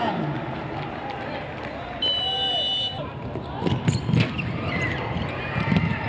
สุดท้ายสุดท้าย